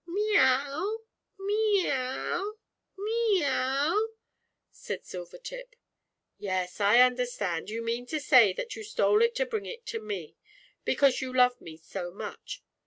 "Miaow, miaow, miaow," said Silvertip "Yes, I understand, you mean to say that you stole it to bring it to me, because you love me so much.